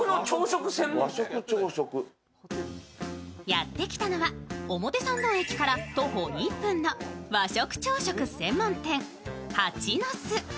やってきたのは、表参道駅から徒歩１分の和食朝食専門店・∞ノ巣。